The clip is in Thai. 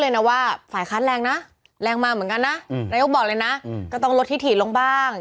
ในครั้งแรงก็ต้องลดทิถิลงบ้าง